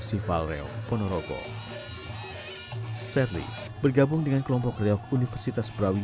tambah dadanya lebih besar lagi